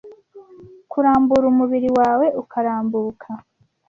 kurambura umubiri wawe ukarambuka